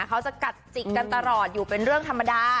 เขาจะกัดจิกกันตลอดอยู่เป็นเรื่องธรรมดา